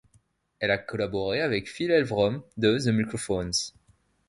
Elle a collaboré avec Phil Elvrum de The Microphones.